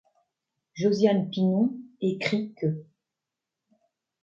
Josiane Pinon écrit qu'.